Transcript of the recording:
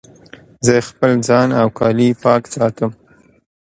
زه خپل ځان او کالي پاک ساتم.